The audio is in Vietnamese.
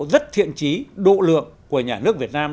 rất thiện trí độ lượng của nhà nước việt nam